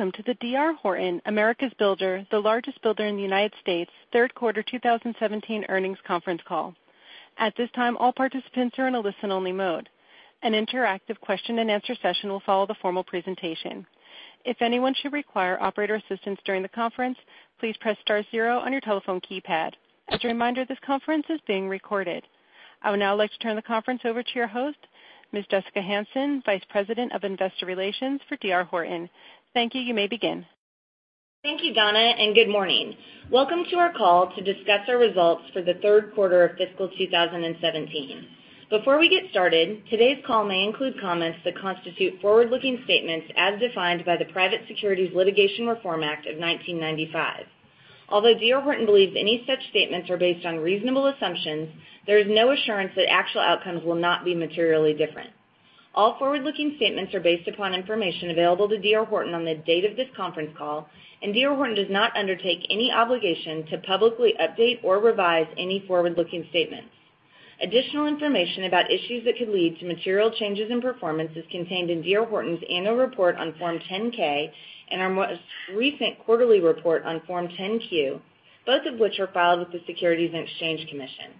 Welcome to the D.R. Horton, America's builder, the largest builder in the United States, third quarter 2017 earnings conference call. At this time, all participants are in a listen-only mode. An interactive question and answer session will follow the formal presentation. If anyone should require operator assistance during the conference, please press star zero on your telephone keypad. As a reminder, this conference is being recorded. I would now like to turn the conference over to your host, Ms. Jessica Hansen, Vice President of Investor Relations for D.R. Horton. Thank you. You may begin. Thank you, Donna. Good morning. Welcome to our call to discuss our results for the third quarter of fiscal 2017. Before we get started, today's call may include comments that constitute forward-looking statements as defined by the Private Securities Litigation Reform Act of 1995. Although D.R. Horton believes any such statements are based on reasonable assumptions, there is no assurance that actual outcomes will not be materially different. All forward-looking statements are based upon information available to D.R. Horton on the date of this conference call, D.R. Horton does not undertake any obligation to publicly update or revise any forward-looking statements. Additional information about issues that could lead to material changes in performance is contained in D.R. Horton's annual report on Form 10-K and our most recent quarterly report on Form 10-Q, both of which are filed with the Securities and Exchange Commission.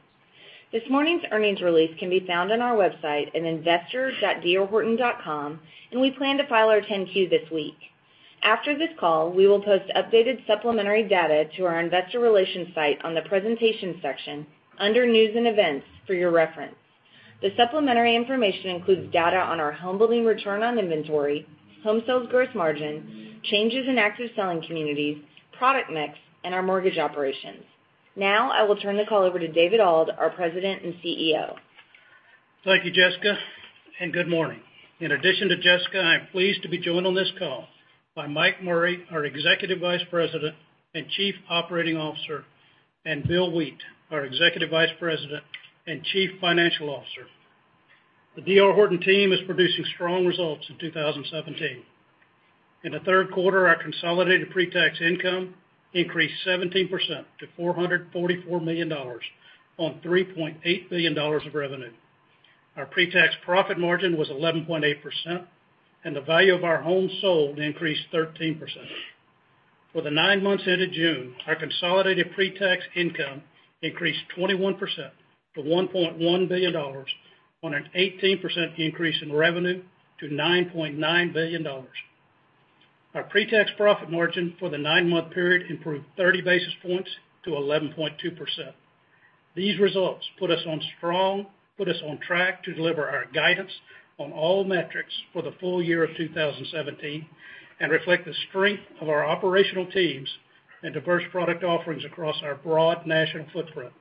This morning's earnings release can be found on our website at investor.drhorton.com. We plan to file our 10-Q this week. After this call, we will post updated supplementary data to our investor relations site on the presentation section under news and events for your reference. The supplementary information includes data on our homebuilding return on inventory, home sales gross margin, changes in active selling communities, product mix, and our mortgage operations. I will turn the call over to David Auld, our President and CEO. Thank you, Jessica. Good morning. In addition to Jessica, I am pleased to be joined on this call by Mike Murray, our Executive Vice President and Chief Operating Officer, and Bill Wheat, our Executive Vice President and Chief Financial Officer. The D.R. Horton team is producing strong results in 2017. In the third quarter, our consolidated pre-tax income increased 17% to $444 million on $3.8 billion of revenue. Our pre-tax profit margin was 11.8%. The value of our homes sold increased 13%. For the nine months ended June, our consolidated pre-tax income increased 21% to $1.1 billion on an 18% increase in revenue to $9.9 billion. Our pre-tax profit margin for the nine-month period improved 30 basis points to 11.2%. These results put us on track to deliver our guidance on all metrics for the full year of 2017, and reflect the strength of our operational teams and diverse product offerings across our broad national footprint.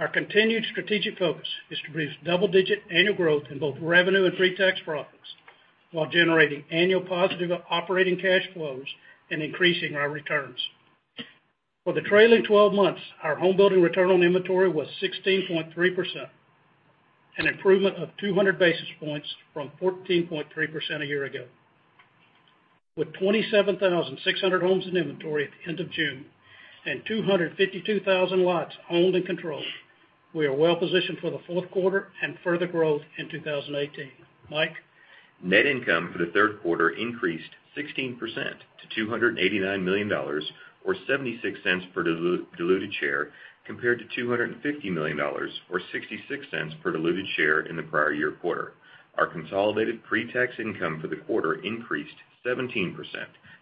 Our continued strategic focus is to produce double-digit annual growth in both revenue and pre-tax profits while generating annual positive operating cash flows and increasing our returns. For the trailing 12 months, our homebuilding return on inventory was 16.3%, an improvement of 200 basis points from 14.3% a year ago. With 27,600 homes in inventory at the end of June and 252,000 lots owned and controlled, we are well positioned for the fourth quarter and further growth in 2018. Mike? Net income for the third quarter increased 16% to $289 million, or $0.76 per diluted share, compared to $250 million or $0.66 per diluted share in the prior year quarter. Our consolidated pre-tax income for the quarter increased 17%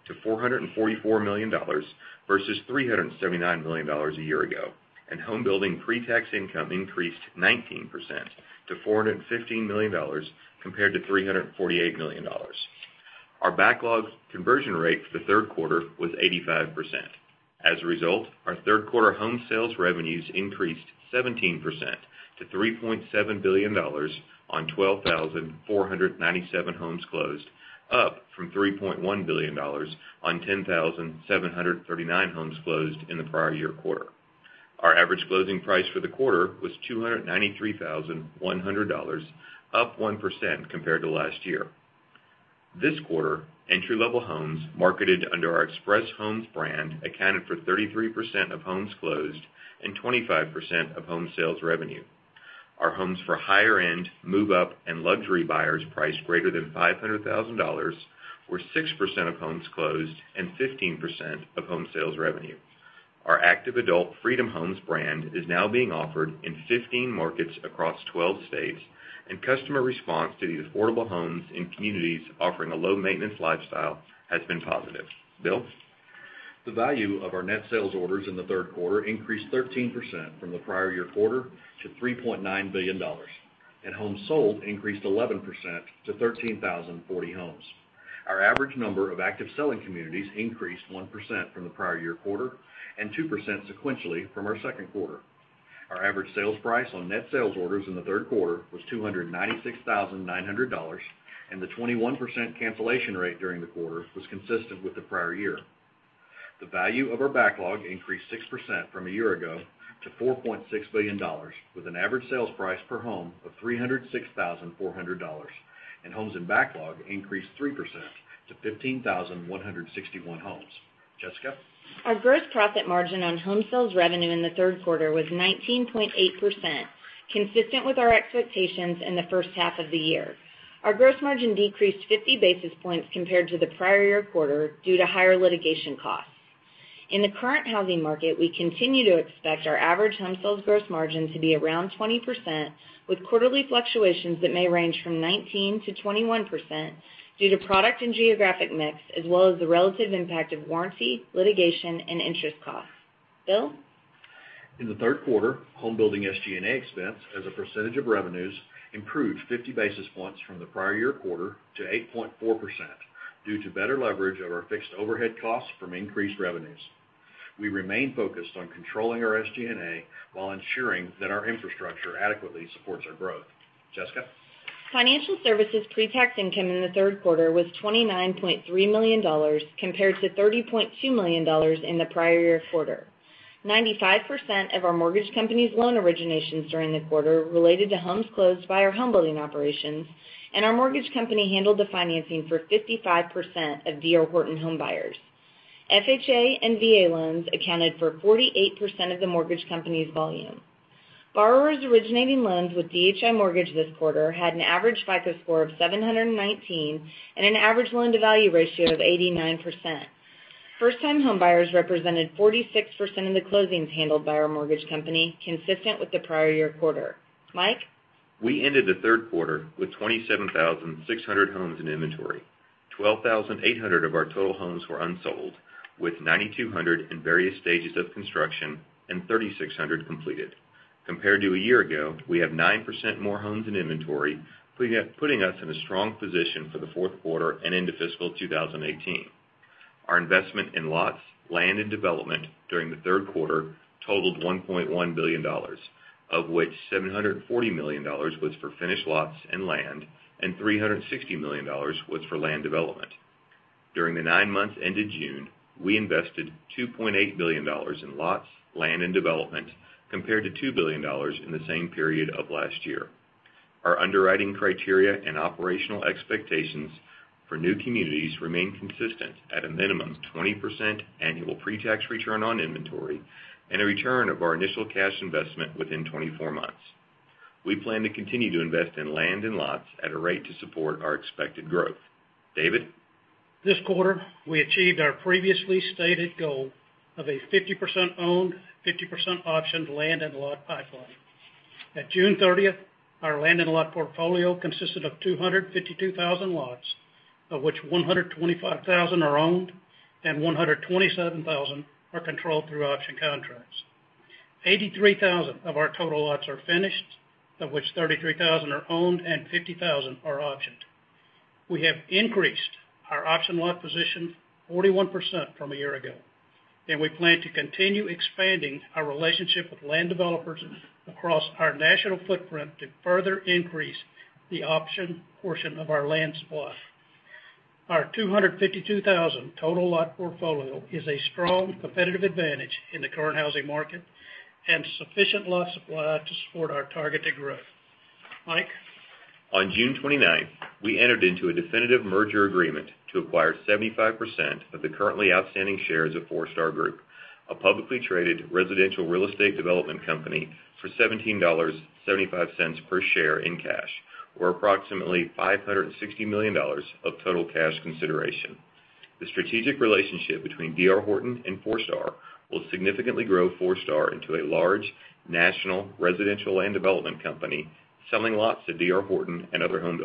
to $444 million versus $379 million a year ago, and homebuilding pre-tax income increased 19% to $415 million, compared to $348 million. Our backlog conversion rate for the third quarter was 85%. Our third quarter home sales revenues increased 17% to $3.7 billion on 12,497 homes closed, up from $3.1 billion on 10,739 homes closed in the prior year quarter. Our average closing price for the quarter was $293,100, up 1% compared to last year. This quarter, entry-level homes marketed under our Express Homes brand accounted for 33% of homes closed and 25% of home sales revenue. Our homes for higher-end, move-up, and luxury buyers priced greater than $500,000 were 6% of homes closed and 15% of home sales revenue. Our active adult Freedom Homes brand is now being offered in 15 markets across 12 states, and customer response to these affordable homes and communities offering a low-maintenance lifestyle has been positive. Bill? The value of our net sales orders in the third quarter increased 13% from the prior year quarter to $3.9 billion, and homes sold increased 11% to 13,040 homes. Our average number of active selling communities increased 1% from the prior year quarter and 2% sequentially from our second quarter. Our average sales price on net sales orders in the third quarter was $296,900, and the 21% cancellation rate during the quarter was consistent with the prior year. The value of our backlog increased 6% from a year ago to $4.6 billion, with an average sales price per home of $306,400, and homes in backlog increased 3% to 15,161 homes. Jessica? Our gross profit margin on home sales revenue in the third quarter was 19.8%. Consistent with our expectations in the first half of the year. Our gross margin decreased 50 basis points compared to the prior year quarter due to higher litigation costs. In the current housing market, we continue to expect our average home sales gross margin to be around 20%, with quarterly fluctuations that may range from 19%-21% due to product and geographic mix, as well as the relative impact of warranty, litigation, and interest costs. Bill? In the third quarter, home building SG&A expense as a percentage of revenues improved 50 basis points from the prior year quarter to 8.4% due to better leverage of our fixed overhead costs from increased revenues. We remain focused on controlling our SG&A while ensuring that our infrastructure adequately supports our growth. Jessica? Financial Services pre-tax income in the third quarter was $29.3 million compared to $30.2 million in the prior year quarter. 95% of our mortgage company's loan originations during the quarter related to homes closed by our homebuilding operations, and our mortgage company handled the financing for 55% of D.R. Horton home buyers. FHA and VA loans accounted for 48% of the mortgage company's volume. Borrowers originating loans with DHI Mortgage this quarter had an average FICO score of 719 and an average loan-to-value ratio of 89%. First-time homebuyers represented 46% of the closings handled by our mortgage company, consistent with the prior year quarter. Mike? We ended the third quarter with 27,600 homes in inventory. 12,800 of our total homes were unsold, with 9,200 in various stages of construction and 3,600 completed. Compared to a year ago, we have 9% more homes in inventory, putting us in a strong position for the fourth quarter and into fiscal 2018. Our investment in lots, land, and development during the third quarter totaled $1.1 billion, of which $740 million was for finished lots and land, and $360 million was for land development. During the nine months ended June, we invested $2.8 billion in lots, land, and development, compared to $2 billion in the same period of last year. Our underwriting criteria and operational expectations for new communities remain consistent at a minimum 20% annual pre-tax return on inventory and a return of our initial cash investment within 24 months. We plan to continue to invest in land and lots at a rate to support our expected growth. David? This quarter, we achieved our previously stated goal of a 50% owned, 50% optioned land and lot pipeline. At June 30th, our land and lot portfolio consisted of 252,000 lots, of which 125,000 are owned and 127,000 are controlled through option contracts. 83,000 of our total lots are finished, of which 33,000 are owned and 50,000 are optioned. We have increased our option lot position 41% from a year ago, and we plan to continue expanding our relationship with land developers across our national footprint to further increase the option portion of our land supply. Our 252,000 total lot portfolio is a strong competitive advantage in the current housing market and sufficient lot supply to support our targeted growth. Mike? On June 29th, we entered into a definitive merger agreement to acquire 75% of the currently outstanding shares of Forestar Group, a publicly traded residential real estate development company, for $17.75 per share in cash, or approximately $560 million of total cash consideration. The strategic relationship between D.R. Horton and Forestar will significantly grow Forestar into a large national residential and development company, selling lots to D.R. Horton and other home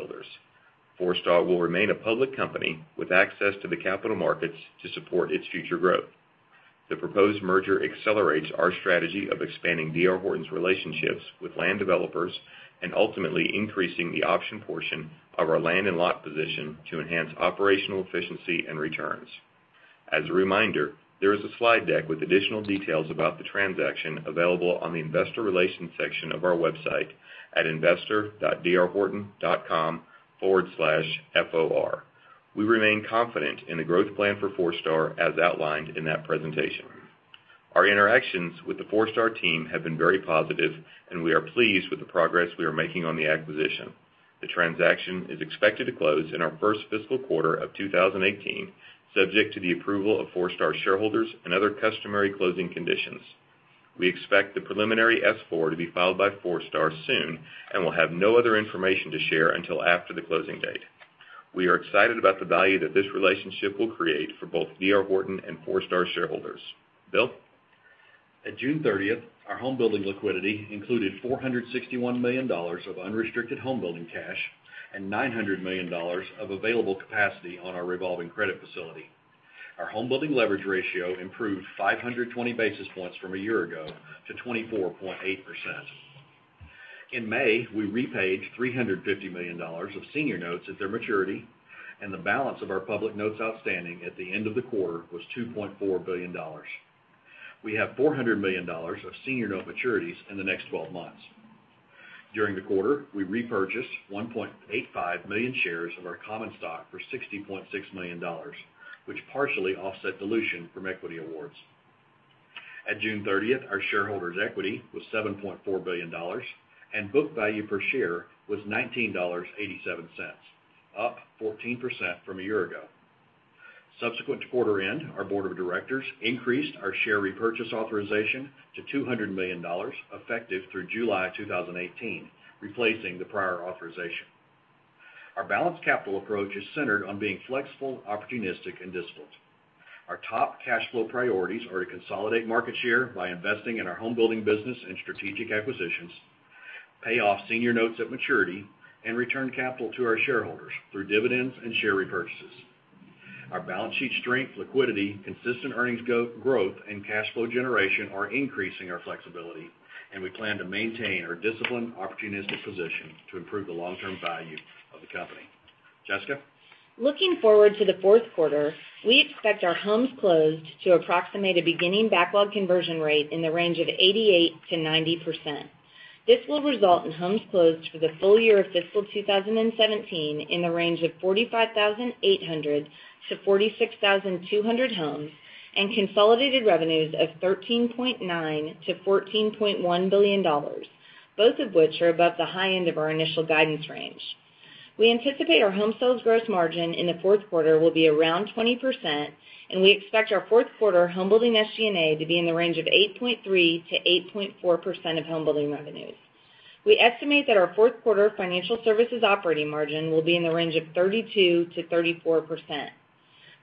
builders. Forestar will remain a public company with access to the capital markets to support its future growth. The proposed merger accelerates our strategy of expanding D.R. Horton's relationships with land developers and ultimately increasing the option portion of our land and lot position to enhance operational efficiency and returns. As a reminder, there is a slide deck with additional details about the transaction available on the investor relations section of our website at investor.drhorton.com/FOR. We remain confident in the growth plan for Forestar as outlined in that presentation. Our interactions with the Forestar team have been very positive, and we are pleased with the progress we are making on the acquisition. The transaction is expected to close in our first fiscal quarter of 2018, subject to the approval of Forestar shareholders and other customary closing conditions. We expect the preliminary Form S-4 to be filed by Forestar soon and will have no other information to share until after the closing date. We are excited about the value that this relationship will create for both D.R. Horton and Forestar shareholders. Bill? At June 30th, our home building liquidity included $461 million of unrestricted home building cash and $900 million of available capacity on our revolving credit facility. Our home building leverage ratio improved 520 basis points from a year ago to 24.8%. In May, we repaid $350 million of senior notes at their maturity, and the balance of our public notes outstanding at the end of the quarter was $2.4 billion. We have $400 million of senior note maturities in the next 12 months. During the quarter, we repurchased 1.85 million shares of our common stock for $60.6 million, which partially offset dilution from equity awards. At June 30th, our shareholders' equity was $7.4 billion, and book value per share was $19.87, up 14% from a year ago. Subsequent to quarter end, our board of directors increased our share repurchase authorization to $200 million effective through July 2018, replacing the prior authorization. Our balanced capital approach is centered on being flexible, opportunistic, and disciplined. Our top cash flow priorities are to consolidate market share by investing in our home building business and strategic acquisitions, pay off senior notes at maturity, and return capital to our shareholders through dividends and share repurchases. Our balance sheet strength, liquidity, consistent earnings growth, and cash flow generation are increasing our flexibility, and we plan to maintain our disciplined, opportunistic position to improve the long-term value of the company. Jessica? Looking forward to the fourth quarter, we expect our homes closed to approximate a beginning backlog conversion rate in the range of 88%-90%. This will result in homes closed for the full year of fiscal 2017 in the range of 45,800-46,200 homes, and consolidated revenues of $13.9 billion-$14.1 billion, both of which are above the high end of our initial guidance range. We anticipate our home sales gross margin in the fourth quarter will be around 20%, and we expect our fourth quarter home building SG&A to be in the range of 8.3%-8.4% of home building revenues. We estimate that our fourth quarter financial services operating margin will be in the range of 32%-34%.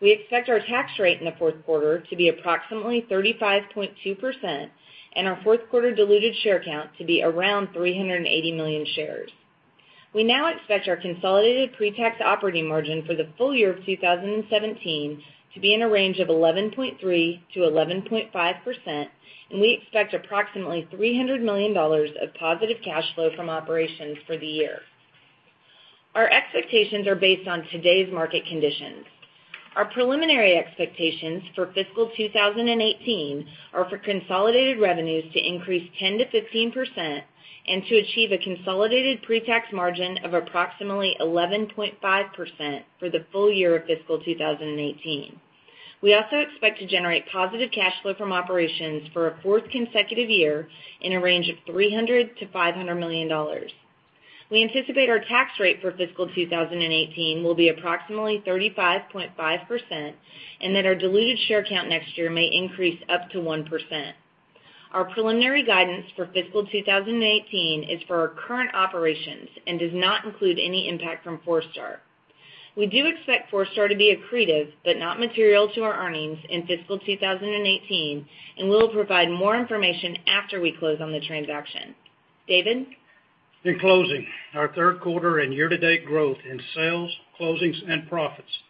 We expect our tax rate in the fourth quarter to be approximately 35.2%, and our fourth quarter diluted share count to be around 380 million shares. We now expect our consolidated pre-tax operating margin for the full year of 2017 to be in a range of 11.3%-11.5%, and we expect approximately $300 million of positive cash flow from operations for the year. Our expectations are based on today's market conditions. Our preliminary expectations for fiscal 2018 are for consolidated revenues to increase 10%-15% and to achieve a consolidated pre-tax margin of approximately 11.5% for the full year of fiscal 2018. We also expect to generate positive cash flow from operations for a fourth consecutive year in a range of $300 million-$500 million. We anticipate our tax rate for fiscal 2018 will be approximately 35.5%, and that our diluted share count next year may increase up to 1%. Our preliminary guidance for fiscal 2018 is for our current operations and does not include any impact from Forestar. We do expect Forestar to be accretive but not material to our earnings in fiscal 2018, and we'll provide more information after we close on the transaction. David? In closing, our third quarter and year-to-date growth in sales, closings, and profits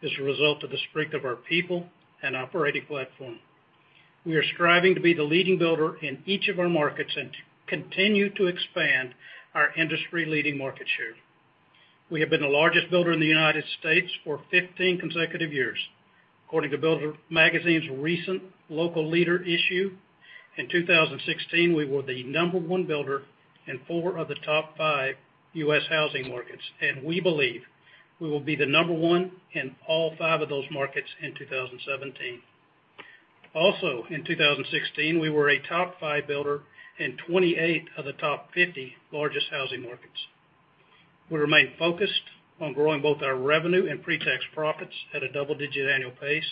is a result of the strength of our people and operating platform. We are striving to be the leading builder in each of our markets and to continue to expand our industry-leading market share. We have been the largest builder in the U.S. for 15 consecutive years. According to Builder Magazine's recent Local Leader issue, in 2016, we were the number one builder in four of the top five U.S. housing markets, and we believe we will be the number one in all five of those markets in 2017. Also, in 2016, we were a top five builder in 28 of the top 50 largest housing markets. We remain focused on growing both our revenue and pre-tax profits at a double-digit annual pace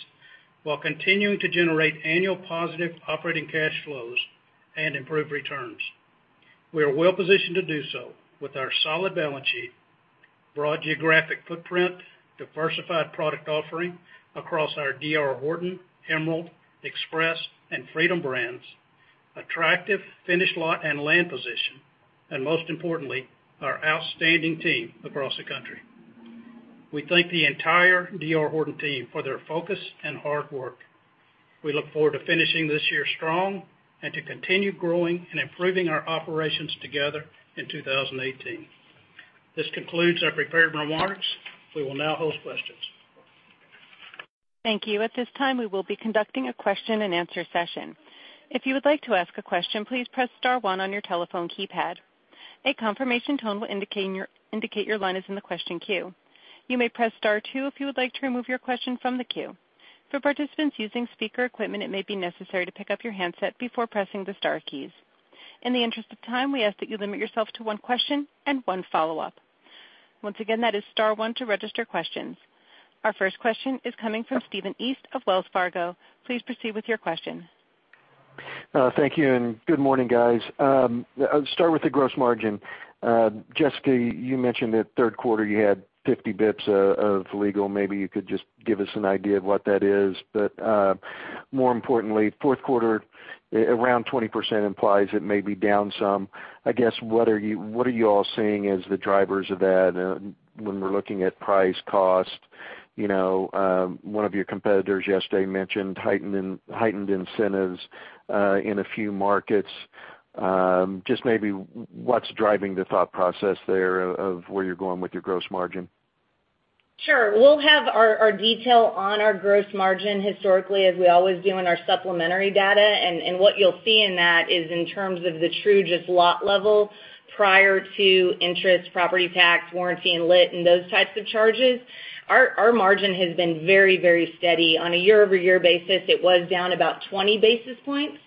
while continuing to generate annual positive operating cash flows and improve returns. We are well-positioned to do so with our solid balance sheet, broad geographic footprint, diversified product offering across our D.R. Horton, Emerald, Express, and Freedom brands, attractive finished lot and land position, and most importantly, our outstanding team across the country. We thank the entire D.R. Horton team for their focus and hard work. We look forward to finishing this year strong and to continue growing and improving our operations together in 2018. This concludes our prepared remarks. We will now host questions. Thank you. At this time, we will be conducting a question-and-answer session. If you would like to ask a question, please press *1 on your telephone keypad. A confirmation tone will indicate your line is in the question queue. You may press *2 if you would like to remove your question from the queue. For participants using speaker equipment, it may be necessary to pick up your handset before pressing the star keys. In the interest of time, we ask that you limit yourself to one question and one follow-up. Once again, that is *1 to register questions. Our first question is coming from Stephen East of Wells Fargo. Please proceed with your question. Thank you, good morning, guys. I'll start with the gross margin. Jessica Hansen, you mentioned that third quarter you had 50 basis points of legal. Maybe you could just give us an idea of what that is. More importantly, fourth quarter around 20% implies it may be down some. I guess, what are you all seeing as the drivers of that when we're looking at price, cost? One of your competitors yesterday mentioned heightened incentives in a few markets. Just maybe what's driving the thought process there of where you're going with your gross margin? Sure. We'll have our detail on our gross margin historically as we always do in our supplementary data, what you'll see in that is in terms of the true just lot level prior to interest, property tax, warranty and lit, and those types of charges, our margin has been very steady. On a year-over-year basis, it was down about 20 basis points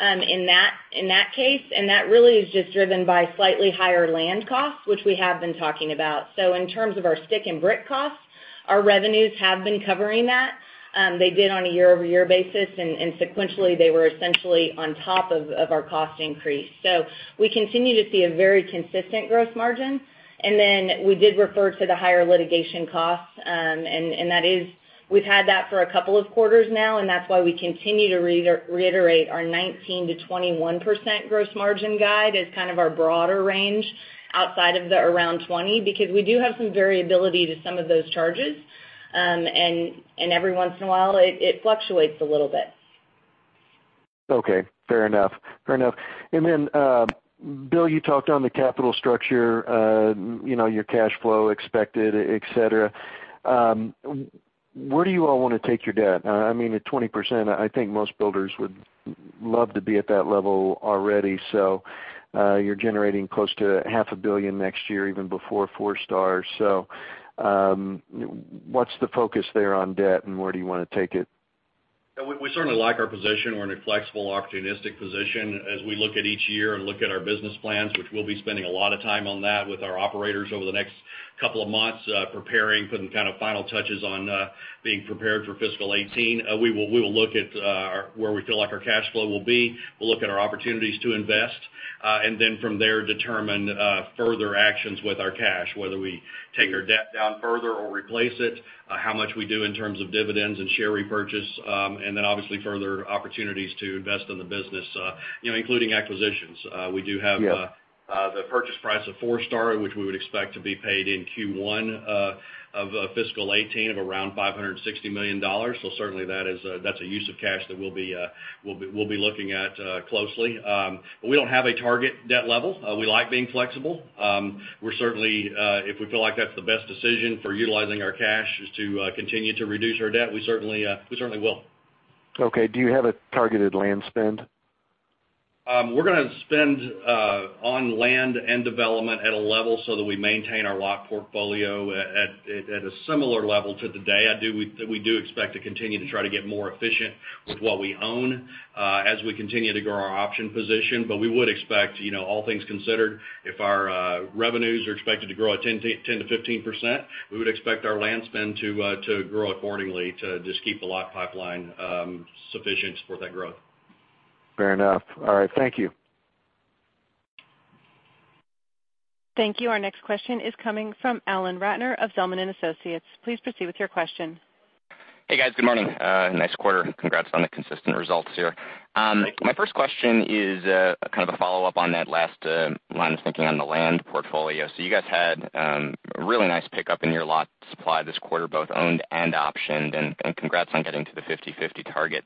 In that case, that really is just driven by slightly higher land costs, which we have been talking about. In terms of our stick and brick costs, our revenues have been covering that. They did on a year-over-year basis, and sequentially, they were essentially on top of our cost increase. We continue to see a very consistent gross margin. We did refer to the higher litigation costs. We've had that for a couple of quarters now, that's why we continue to reiterate our 19%-21% gross margin guide as kind of our broader range outside of the around 20%, because we do have some variability to some of those charges. Every once in a while, it fluctuates a little bit. Okay. Fair enough. Bill, you talked on the capital structure, your cash flow expected, et cetera. Where do you all want to take your debt? I mean, at 20%, I think most builders would love to be at that level already. You're generating close to half a billion next year even before Forestar. What's the focus there on debt, and where do you want to take it? We certainly like our position. We're in a flexible, opportunistic position as we look at each year and look at our business plans, which we'll be spending a lot of time on that with our operators over the next couple of months, preparing, putting kind of final touches on being prepared for fiscal 2018. We will look at where we feel like our cash flow will be. We'll look at our opportunities to invest. From there, determine further actions with our cash, whether we take our debt down further or replace it, how much we do in terms of dividends and share repurchase, and then obviously further opportunities to invest in the business, including acquisitions. Yeah. We do have the purchase price of Forestar, which we would expect to be paid in Q1 of fiscal 2018 of around $560 million. Certainly that's a use of cash that we'll be looking at closely. We don't have a target debt level. We like being flexible. If we feel like that's the best decision for utilizing our cash is to continue to reduce our debt, we certainly will. Okay. Do you have a targeted land spend? We're going to spend on land and development at a level so that we maintain our lot portfolio at a similar level to today. We do expect to continue to try to get more efficient with what we own as we continue to grow our option position. We would expect, all things considered, if our revenues are expected to grow at 10%-15%, we would expect our land spend to grow accordingly to just keep the lot pipeline sufficient for that growth. Fair enough. All right. Thank you. Thank you. Our next question is coming from Alan Ratner of Zelman & Associates. Please proceed with your question. Hey, guys. Good morning. Nice quarter. Congrats on the consistent results here. Thanks. My first question is kind of a follow-up on that last line of thinking on the land portfolio. You guys had a really nice pickup in your lot supply this quarter, both owned and optioned, and congrats on getting to the 50/50 target.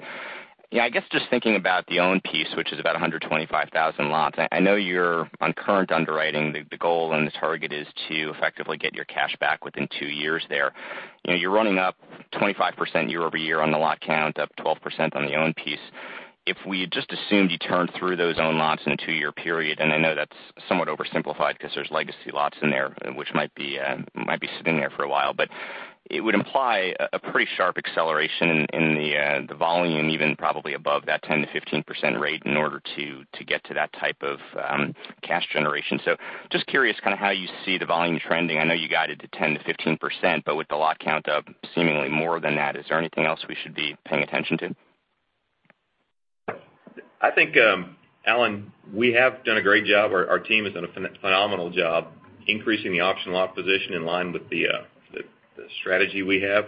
I guess just thinking about the owned piece, which is about 125,000 lots. I know you're on current underwriting. The goal and the target is to effectively get your cash back within two years there. You're running up 25% year-over-year on the lot count, up 12% on the owned piece. If we just assumed you turned through those owned lots in a two-year period, I know that's somewhat oversimplified because there's legacy lots in there which might be sitting there for a while, but it would imply a pretty sharp acceleration in the volume, even probably above that 10%-15% rate in order to get to that type of cash generation. Just curious kind of how you see the volume trending. I know you guided to 10%-15%, but with the lot count up seemingly more than that, is there anything else we should be paying attention to? I think, Alan, we have done a great job. Our team has done a phenomenal job increasing the option lot position in line with the strategy we have.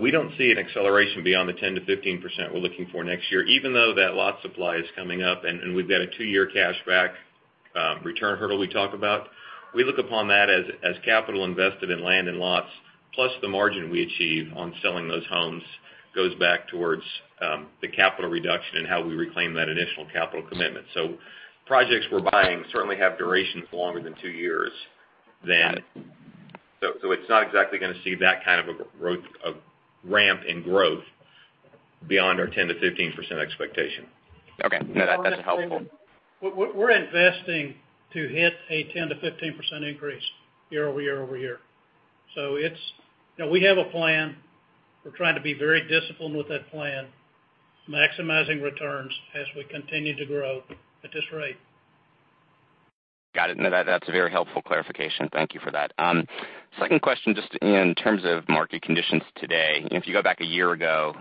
We don't see an acceleration beyond the 10%-15% we're looking for next year, even though that lot supply is coming up and we've got a two-year cash back return hurdle we talk about. We look upon that as capital invested in land and lots, plus the margin we achieve on selling those homes goes back towards the capital reduction and how we reclaim that initial capital commitment. Projects we're buying certainly have durations longer than two years. It's not exactly going to see that kind of a ramp in growth beyond our 10%-15% expectation. Okay. No, that's helpful. We're investing to hit a 10%-15% increase year-over-year over year. We have a plan. We're trying to be very disciplined with that plan, maximizing returns as we continue to grow at this rate. Got it. That's a very helpful clarification. Thank you for that. Second question, just in terms of market conditions today. If you go back a year ago,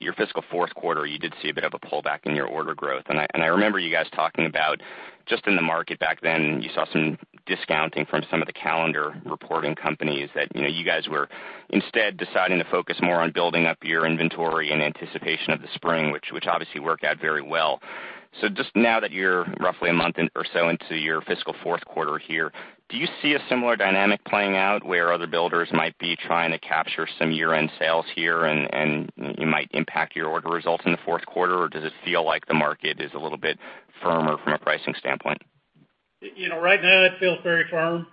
your fiscal fourth quarter, you did see a bit of a pullback in your order growth. I remember you guys talking about just in the market back then, you saw some discounting from some of the calendar-reporting companies that you guys were instead deciding to focus more on building up your inventory in anticipation of the spring, which obviously worked out very well. Just now that you're roughly a month or so into your fiscal fourth quarter here, do you see a similar dynamic playing out where other builders might be trying to capture some year-end sales here, and it might impact your order results in the fourth quarter, or does it feel like the market is a little bit firmer from a pricing standpoint? Right now, it feels very firm.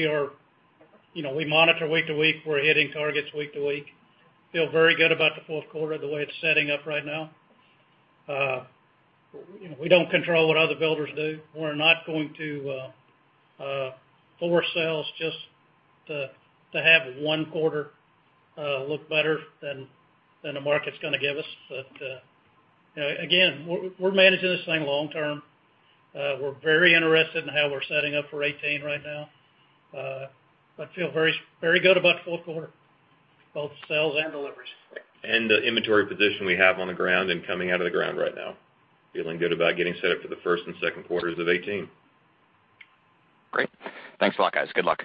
We monitor week to week. We're hitting targets week to week. Feel very good about the fourth quarter, the way it's setting up right now. We don't control what other builders do. We're not going to force sales just to have one quarter look better than the market's going to give us. Again, we're managing this thing long-term. We're very interested in how we're setting up for 2018 right now. Feel very good about fourth quarter, both sales and deliveries. We feel good about the inventory position we have on the ground and coming out of the ground right now. We are feeling good about getting set up for the first and second quarters of 2018. Great. Thanks a lot, guys. Good luck.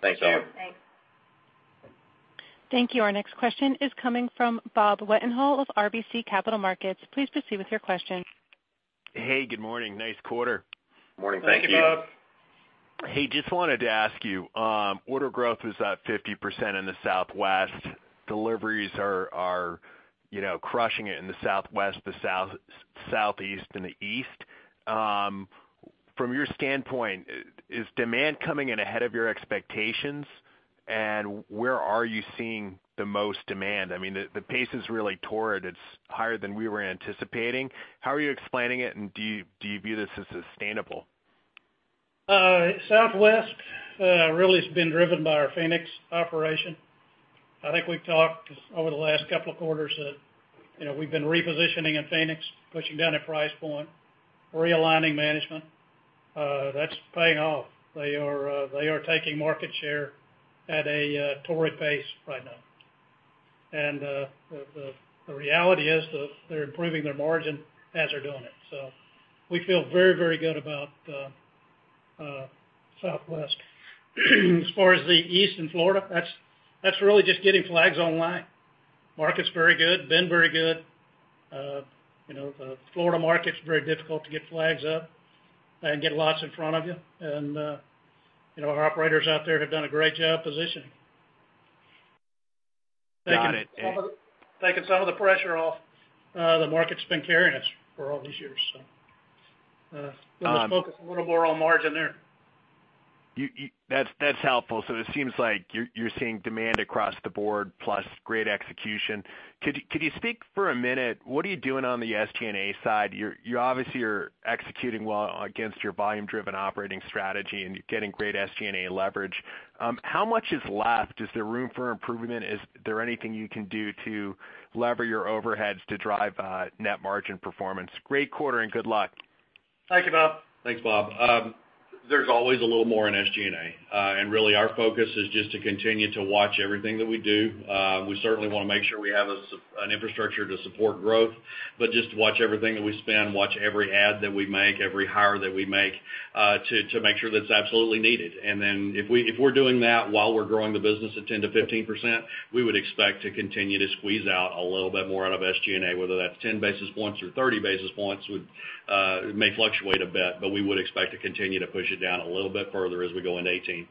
Thanks, Alan. Thanks. Thank you. Our next question is coming from Robert Wetenhall of RBC Capital Markets. Please proceed with your question. Hey, good morning. Nice quarter. Morning. Thank you. Thank you, Bob. Hey, just wanted to ask you, order growth was up 50% in the Southwest. Deliveries are crushing it in the Southwest, the Southeast, and the East. From your standpoint, is demand coming in ahead of your expectations? Where are you seeing the most demand? I mean, the pace has really soared. It's higher than we were anticipating. How are you explaining it, do you view this as sustainable? Southwest really has been driven by our Phoenix operation. I think we've talked over the last couple of quarters that we've been repositioning in Phoenix, pushing down a price point, realigning management. That's paying off. They are taking market share at a torrid pace right now. The reality is that they're improving their margin as they're doing it. We feel very good about Southwest. As far as the East and Florida, that's really just getting flags online. Market's very good, been very good. The Florida market's very difficult to get flags up and get lots in front of you. Our operators out there have done a great job positioning. Got it. Taking some of the pressure off the market's been carrying us for all these years. Going to focus a little more on margin there. That's helpful. It seems like you're seeing demand across the board, plus great execution. Could you speak for a minute, what are you doing on the SG&A side? You obviously are executing well against your volume-driven operating strategy, you're getting great SG&A leverage. How much is left? Is there room for improvement? Is there anything you can do to lever your overheads to drive net margin performance? Great quarter, good luck. Thank you, Bob. Thanks, Bob. There's always a little more in SG&A. Really our focus is just to continue to watch everything that we do. We certainly want to make sure we have an infrastructure to support growth, but just watch everything that we spend, watch every ad that we make, every hire that we make, to make sure that it's absolutely needed. If we're doing that while we're growing the business at 10%-15%, we would expect to continue to squeeze out a little bit more out of SG&A, whether that's 10 basis points or 30 basis points, it may fluctuate a bit, but we would expect to continue to push it down a little bit further as we go into 2018.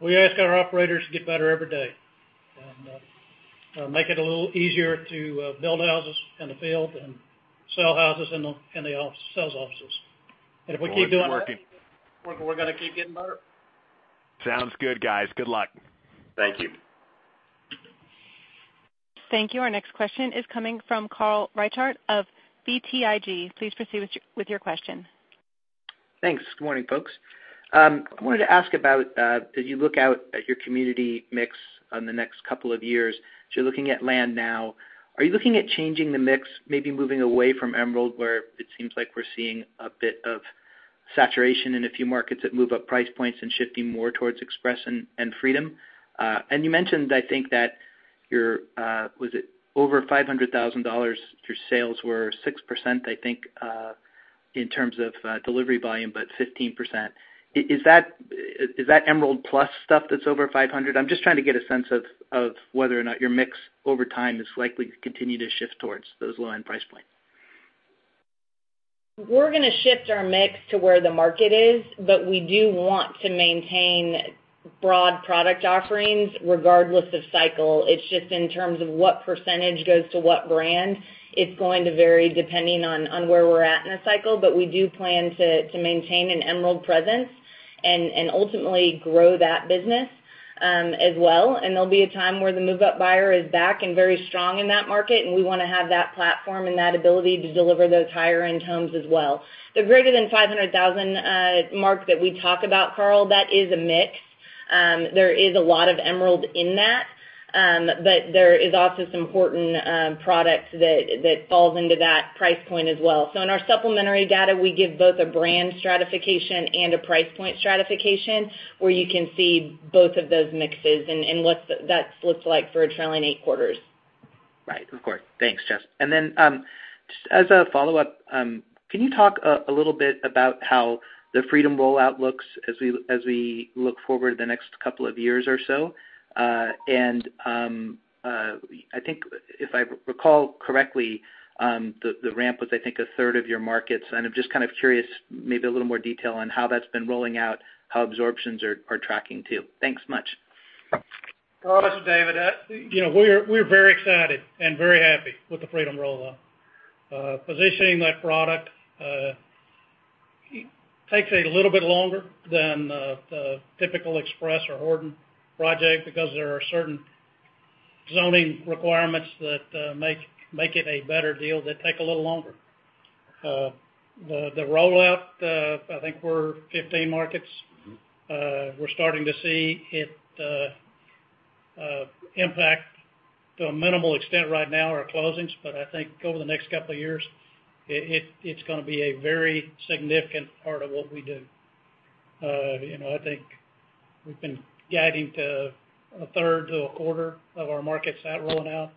We ask our operators to get better every day, and make it a little easier to build houses in the field and sell houses in the sales offices. If we keep doing that. We're working. We're going to keep getting better. Sounds good, guys. Good luck. Thank you. Thank you. Our next question is coming from Carl Reichardt of BTIG. Please proceed with your question. Thanks. Good morning, folks. I wanted to ask about, as you look out at your community mix on the next couple of years, as you're looking at land now, are you looking at changing the mix, maybe moving away from Emerald, where it seems like we're seeing a bit of saturation in a few markets that move up price points and shifting more towards Express and Freedom? You mentioned, was it over $500,000, your sales were 6%, I think, in terms of delivery volume, but 15%. Is that Emerald plus stuff that's over 500? I'm just trying to get a sense of whether or not your mix over time is likely to continue to shift towards those low-end price points. We're going to shift our mix to where the market is, we do want to maintain broad product offerings regardless of cycle. It's just in terms of what percentage goes to what brand, it's going to vary depending on where we're at in the cycle. We do plan to maintain an Emerald presence and ultimately grow that business as well. There'll be a time where the move-up buyer is back and very strong in that market, and we want to have that platform and that ability to deliver those higher-end homes as well. The greater than $500,000 mark that we talk about, Carl, that is a mix. There is a lot of Emerald in that. There is also some Horton products that falls into that price point as well. In our supplementary data, we give both a brand stratification and a price point stratification, where you can see both of those mixes and what that looks like for a trailing eight quarters. Right. Of course. Thanks, Jess. Just as a follow-up, can you talk a little bit about how the Freedom rollout looks as we look forward the next couple of years or so? I think if I recall correctly, the ramp was, I think, a third of your markets, and I'm just kind of curious, maybe a little more detail on how that's been rolling out, how absorptions are tracking, too. Thanks much. This is David. We're very excited and very happy with the Freedom rollout. Positioning that product takes a little bit longer than the typical Express or Horton project because there are certain zoning requirements that make it a better deal that take a little longer. The rollout, I think we're 15 markets. We're starting to see it impact, to a minimal extent right now, our closings, but I think over the next couple of years, it's going to be a very significant part of what we do. I think we've been guiding to a third to a quarter of our markets that rolling out.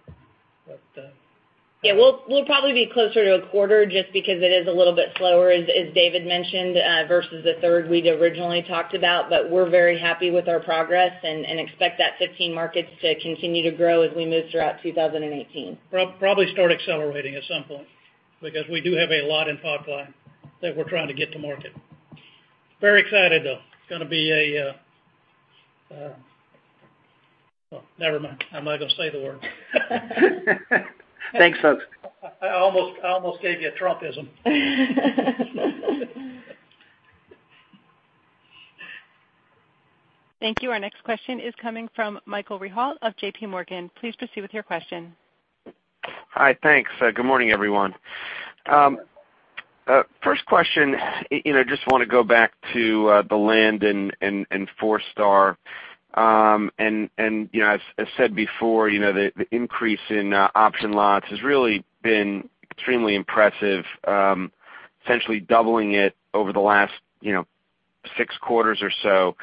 Yeah, we'll probably be closer to a quarter just because it is a little bit slower, as David mentioned, versus the third we'd originally talked about. We're very happy with our progress and expect that 15 markets to continue to grow as we move throughout 2018. We'll probably start accelerating at some point, because we do have a lot in pipeline that we're trying to get to market. Very excited, though. Never mind. I'm not going to say the word. Thanks, folks. I almost gave you a Trumpism. Thank you. Our next question is coming from Michael Rehaut of JPMorgan. Please proceed with your question. Hi, thanks. Good morning, everyone. First question, just want to go back to the land and Forestar. As said before, the increase in option lots has really been extremely impressive, essentially doubling it over the last six quarters or so.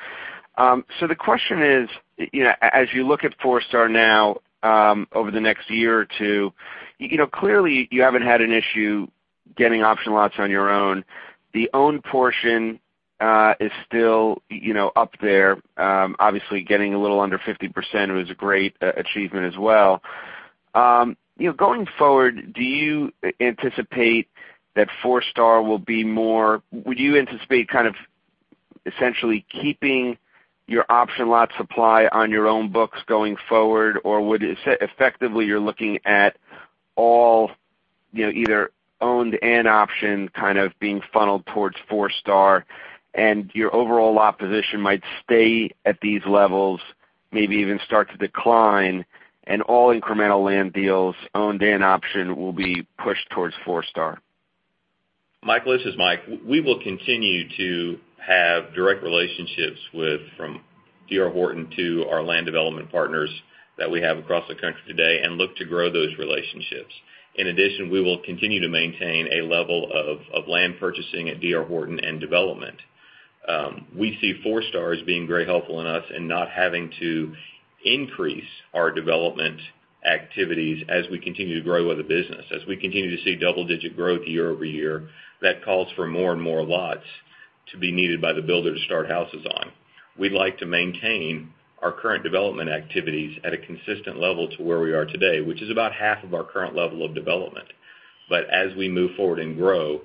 The question is, as you look at Forestar now over the next year or two, clearly you haven't had an issue getting option lots on your own. The owned portion is still up there. Obviously, getting a little under 50% was a great achievement as well. Going forward, would you anticipate essentially keeping your option lot supply on your own books going forward, or would effectively you're looking at all either owned and option kind of being funneled towards Forestar, and your overall lot position might stay at these levels, maybe even start to decline, and all incremental land deals owned and option will be pushed towards Forestar? Michael, this is Mike. We will continue to have direct relationships with, from D.R. Horton to our land development partners that we have across the country today and look to grow those relationships. In addition, we will continue to maintain a level of land purchasing at D.R. Horton and development. We see Forestar as being very helpful in us in not having to increase our development activities as we continue to grow the business. As we continue to see double-digit growth year-over-year, that calls for more and more lots to be needed by the builder to start houses on. We'd like to maintain our current development activities at a consistent level to where we are today, which is about half of our current level of development. As we move forward and grow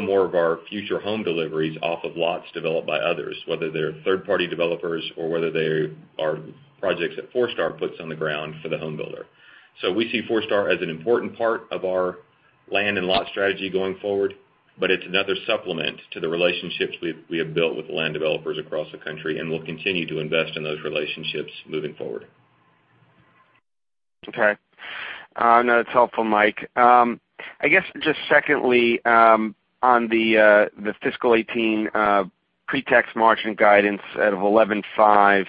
more of our future home deliveries off of lots developed by others, whether they're third-party developers or whether they are projects that Forestar puts on the ground for the home builder. We see Forestar as an important part of our land and lot strategy going forward, but it's another supplement to the relationships we have built with the land developers across the country, and we'll continue to invest in those relationships moving forward. Okay. No, that's helpful, Mike. I guess just secondly, on the fiscal 2018 pre-tax margin guidance of 11.5%,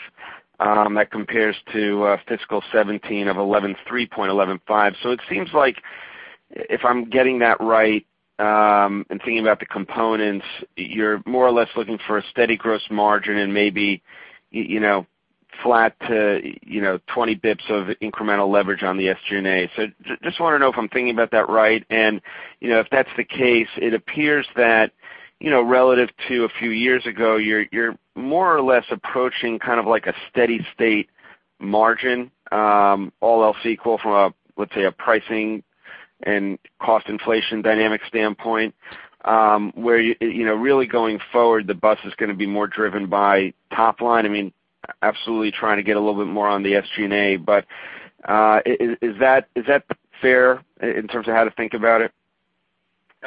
that compares to fiscal 2017 of 11.3%-11.5%. It seems like if I'm getting that right, and thinking about the components, you're more or less looking for a steady gross margin and maybe flat to 20 basis points of incremental leverage on the SG&A. Just want to know if I'm thinking about that right, and if that's the case, it appears that relative to a few years ago, you're more or less approaching kind of like a steady state margin, all else equal from, let's say, a pricing and cost inflation dynamic standpoint, where really going forward, the bus is going to be more driven by top line. Absolutely trying to get a little bit more on the SG&A. Is that fair in terms of how to think about it?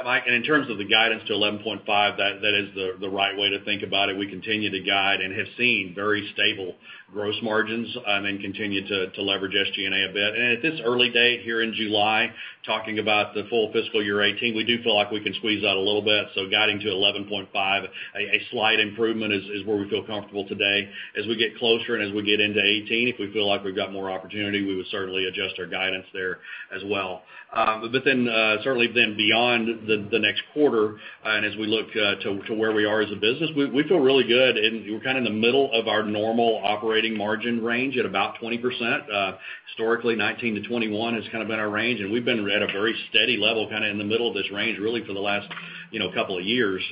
Mike, in terms of the guidance to 11.5%, that is the right way to think about it. We continue to guide and have seen very stable gross margins, and then continue to leverage SG&A a bit. At this early date here in July, talking about the full fiscal year 2018, we do feel like we can squeeze that a little bit. Guiding to 11.5%, a slight improvement is where we feel comfortable today. As we get closer and as we get into 2018, if we feel like we've got more opportunity, we would certainly adjust our guidance there as well. Certainly beyond the next quarter, and as we look to where we are as a business, we feel really good, and we're kind of in the middle of our normal operating margin range at about 20%. Historically, 19%-21% has kind of been our range, and we've been at a very steady level, kind of in the middle of this range, really for the last couple of years.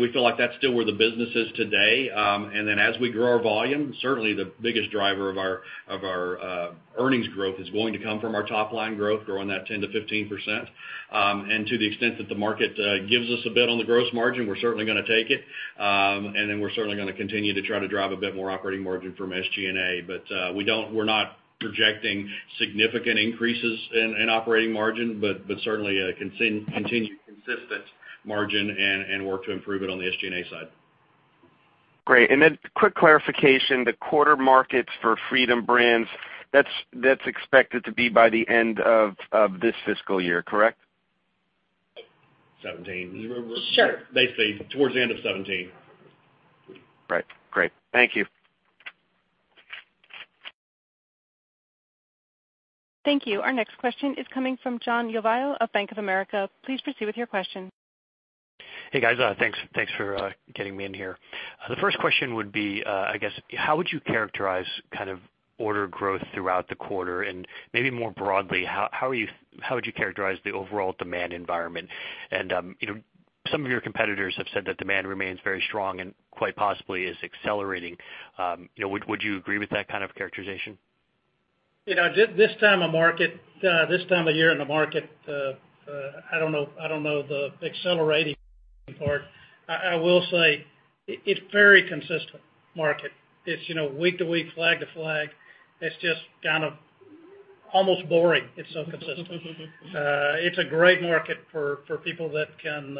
We feel like that's still where the business is today. As we grow our volume, certainly the biggest driver of our earnings growth is going to come from our top-line growth, growing that 10%-15%. To the extent that the market gives us a bit on the gross margin, we're certainly going to take it. We're certainly going to continue to try to drive a bit more operating margin from SG&A. We're not projecting significant increases in operating margin, but certainly a continued consistent margin and work to improve it on the SG&A side. Great. Quick clarification, the quarter markets for Freedom Homes, that's expected to be by the end of this fiscal year, correct? 2017. Do you remember? Sure. Basically, towards the end of 2017. Right. Great. Thank you. Thank you. Our next question is coming from John Lovallo of Bank of America. Please proceed with your question. Hey, guys. Thanks for getting me in here. The first question would be, I guess, how would you characterize order growth throughout the quarter, and maybe more broadly, how would you characterize the overall demand environment? Some of your competitors have said that demand remains very strong and quite possibly is accelerating. Would you agree with that kind of characterization? This time of year in the market, I don't know the accelerating part. I will say, it's very consistent market. It's week to week, flag to flag. It's just kind of almost boring, it's so consistent. It's a great market for people that can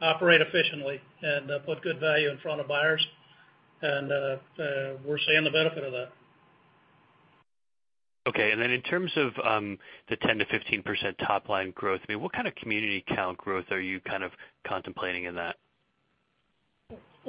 operate efficiently and put good value in front of buyers. We're seeing the benefit of that. Okay. In terms of the 10%-15% top-line growth, what kind of community count growth are you contemplating in that?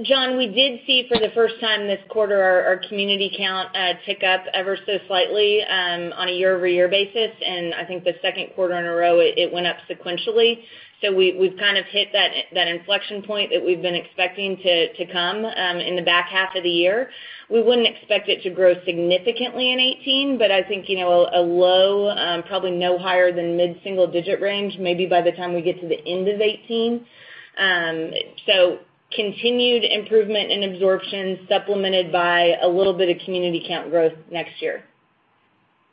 John, we did see for the first time this quarter our community count tick up ever so slightly on a year-over-year basis, and I think the second quarter in a row, it went up sequentially. We've kind of hit that inflection point that we've been expecting to come in the back half of the year. We wouldn't expect it to grow significantly in 2018, but I think a low, probably no higher than mid-single-digit range, maybe by the time we get to the end of 2018. Continued improvement in absorption, supplemented by a little bit of community count growth next year.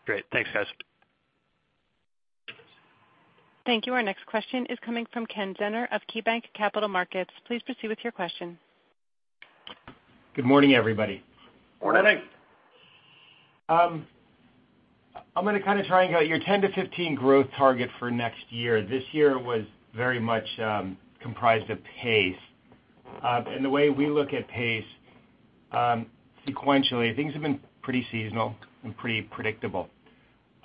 Great. Thanks, guys. Thank you. Our next question is coming from Kenneth Zener of KeyBanc Capital Markets. Please proceed with your question. Good morning, everybody. Morning. Morning. I'm going to try and go, your 10%-15% growth target for next year, this year was very much comprised of pace. The way we look at pace, sequentially, things have been pretty seasonal and pretty predictable.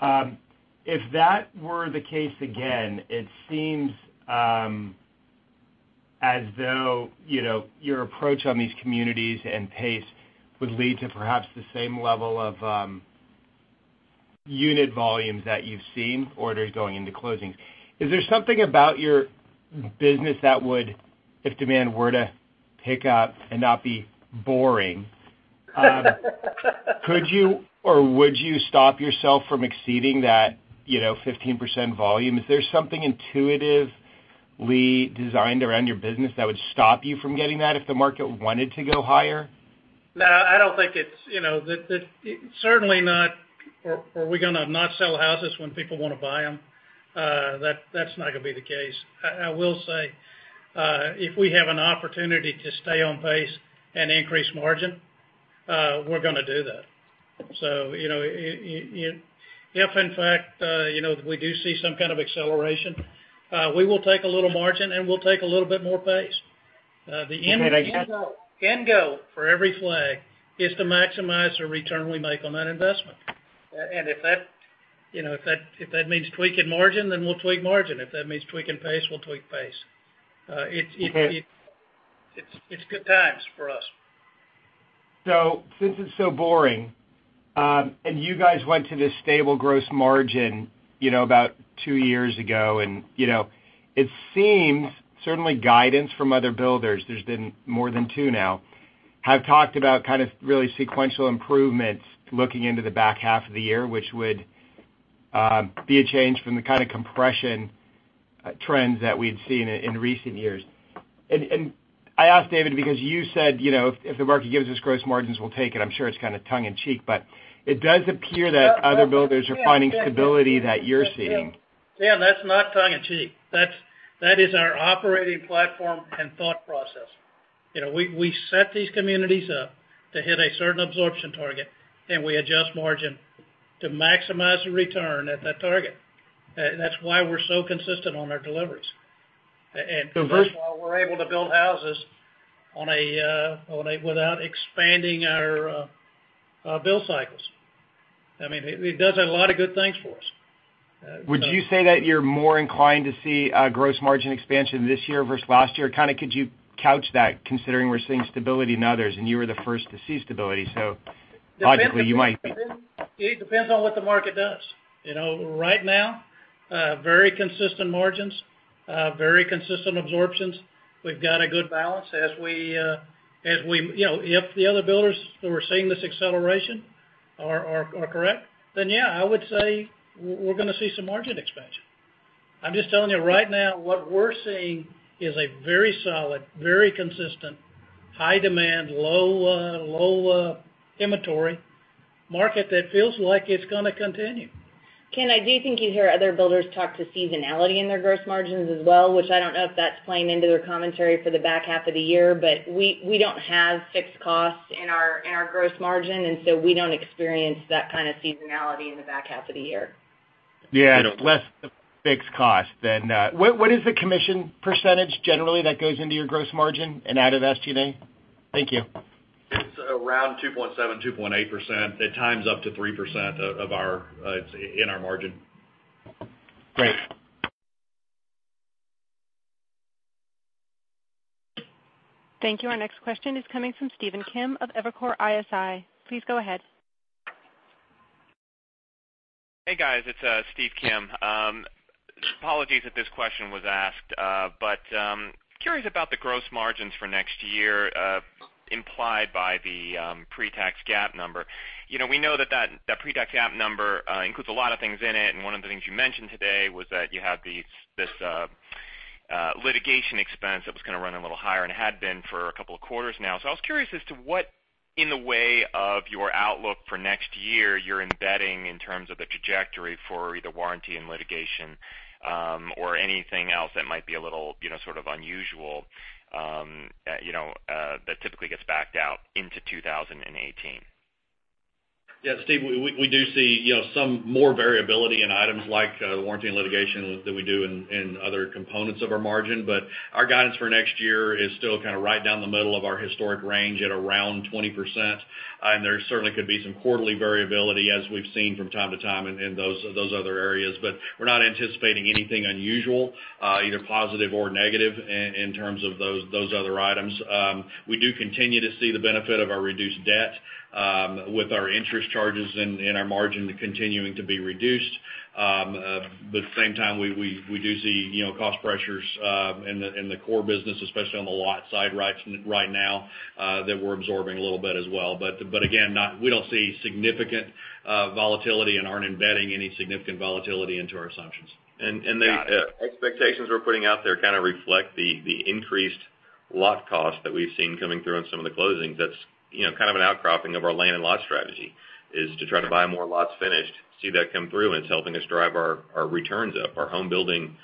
If that were the case again, it seems as though your approach on these communities and pace would lead to perhaps the same level of unit volumes that you've seen, orders going into closings. Is there something about your business that would, if demand were to pick up and not be boring, could you, or would you stop yourself from exceeding that 15% volume? Is there something intuitively designed around your business that would stop you from getting that if the market wanted to go higher? No. Are we going to not sell houses when people want to buy them? That's not going to be the case. I will say, if we have an opportunity to stay on pace and increase margin, we're going to do that. If in fact, we do see some kind of acceleration, we will take a little margin, and we'll take a little bit more pace. The end goal for every flag is to maximize the return we make on that investment. If that means tweaking margin, then we'll tweak margin. If that means tweaking pace, we'll tweak pace. Okay. It's good times for us. Since it's so boring, and you guys went to this stable gross margin about two years ago, and it seems, certainly guidance from other builders, there's been more than two now, have talked about kind of really sequential improvements looking into the back half of the year, which would be a change from the kind of compression trends that we'd seen in recent years. I ask, David, because you said, "If the market gives us gross margins, we'll take it." I'm sure it's kind of tongue in cheek, but it does appear that other builders are finding stability that you're seeing. Ken, that's not tongue in cheek. That is our operating platform and thought process. We set these communities up to hit a certain absorption target, and we adjust margin to maximize the return at that target. That's why we're so consistent on our deliveries. First of all, we're able to build houses without expanding our build cycles. It does a lot of good things for us. Would you say that you're more inclined to see gross margin expansion this year versus last year? Could you couch that considering we're seeing stability in others, you were the first to see stability, logically you might be. It depends on what the market does. Right now, very consistent margins, very consistent absorptions. We've got a good balance. If the other builders who are seeing this acceleration are correct, yeah, I would say we're going to see some margin expansion. I'm just telling you right now what we're seeing is a very solid, very consistent, high demand, low inventory market that feels like it's going to continue. Ken, I do think you hear other builders talk to seasonality in their gross margins as well, which I don't know if that's playing into their commentary for the back half of the year. We don't have fixed costs in our gross margin, we don't experience that kind of seasonality in the back half of the year. Less the fixed cost then. What is the commission percentage generally that goes into your gross margin and out of SG&A? Thank you. It's around 2.7%-2.8%. At times up to 3% in our margin. Great. Thank you. Our next question is coming from Stephen Kim of Evercore ISI. Please go ahead. Hey, guys, it's Steve Kim. Apologies if this question was asked, curious about the gross margins for next year implied by the pre-tax GAAP number. We know that pre-tax GAAP number includes a lot of things in it, one of the things you mentioned today was that you have this litigation expense that was going to run a little higher and had been for a couple of quarters now. I was curious as to what, in the way of your outlook for next year, you're embedding in terms of the trajectory for either warranty and litigation, or anything else that might be a little unusual that typically gets backed out into 2018. Steve, we do see some more variability in items like warranty and litigation than we do in other components of our margin. Our guidance for next year is still right down the middle of our historic range at around 20%. There certainly could be some quarterly variability as we've seen from time to time in those other areas. We're not anticipating anything unusual, either positive or negative in terms of those other items. We do continue to see the benefit of our reduced debt with our interest charges and our margin continuing to be reduced. At the same time, we do see cost pressures in the core business, especially on the lot side right now that we're absorbing a little bit as well. Again, we don't see significant volatility and aren't embedding any significant volatility into our assumptions. The expectations we're putting out there kind of reflect the increased lot cost that we've seen coming through on some of the closings. That's kind of an outcropping of our land and lot strategy, is to try to buy more lots finished, see that come through, and it's helping us drive our returns up. Our home building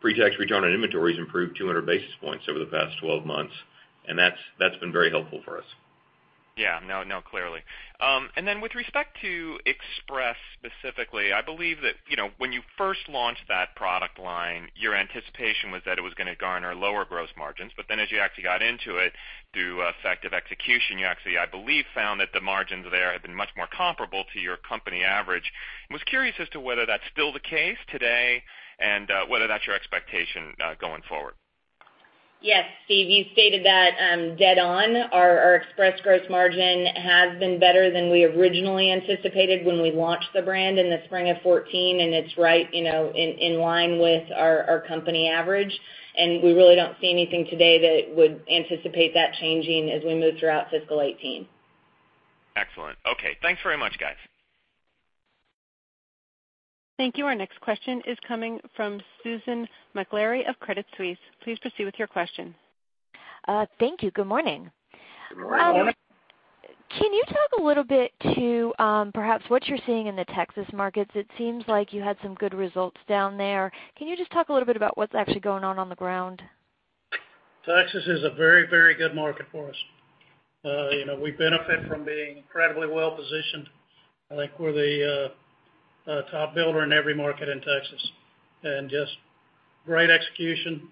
pre-tax return on inventory has improved 200 basis points over the past 12 months, and that's been very helpful for us. No, clearly. With respect to Express specifically, I believe that when you first launched that product line, your anticipation was that it was going to garner lower gross margins. As you actually got into it, through effective execution, you actually, I believe, found that the margins there have been much more comparable to your company average. I was curious as to whether that's still the case today and whether that's your expectation going forward. Yes, Steve, you stated that dead on. Our Express gross margin has been better than we originally anticipated when we launched the brand in the spring of 2014, and it's right in line with our company average, and we really don't see anything today that would anticipate that changing as we move throughout fiscal 2018. Excellent. Okay. Thanks very much, guys. Thank you. Our next question is coming from Susan Maklari of Credit Suisse. Please proceed with your question. Thank you. Good morning. Good morning. Can you talk a little bit to perhaps what you're seeing in the Texas markets? It seems like you had some good results down there. Can you just talk a little bit about what's actually going on on the ground? Texas is a very good market for us. We benefit from being incredibly well-positioned. I think we're the top builder in every market in Texas, and just great execution